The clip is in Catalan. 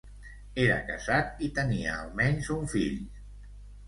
Era casat i tenia almenys un fill.